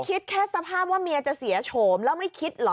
คิดแค่สภาพว่าเมียจะเสียโฉมแล้วไม่คิดเหรอ